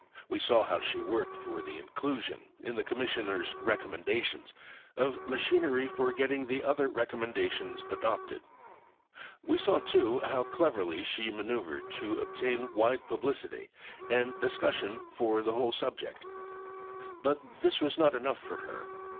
We saw how she worked for the inclusion, in the Commissioners' recommendations, of machinery for getting the other recommendations adopted; we saw, too, how cleverly she man[oe]uvred to obtain wide publicity and discussion for the whole subject. But this was not enough for her.